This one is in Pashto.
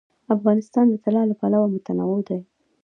افغانستان د طلا له پلوه متنوع دی.